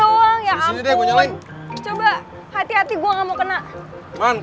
boleh gantian dulu gak